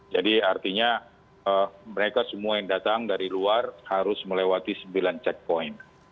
jadi artinya mereka semua yang datang dari luar harus melewati sembilan checkpoint